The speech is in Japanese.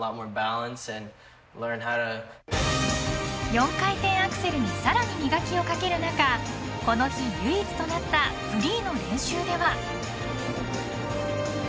４回転アクセルにさらに磨きをかける中この日唯一となったフリーの練習では。